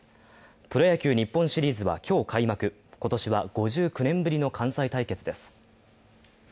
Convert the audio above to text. プロ野球日本シリーズは今日開幕、今年は５９年ぶりの関西対決です。